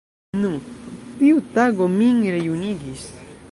Nu, tiu tago min rejunigis.